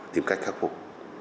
tìm cách khắc phục